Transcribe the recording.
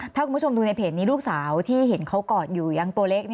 ถ้าคุณผู้ชมดูในเพจนี้ลูกสาวที่เห็นเขากอดอยู่ยังตัวเล็ก